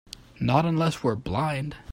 Not unless we're blind.